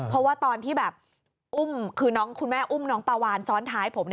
เพราะว่าตอนที่แบบอุ้มคือคุณแม่อุ้มน้องปาวานซ้อนท้ายผม